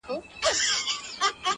ستا په يادونو كي راتېره كړله،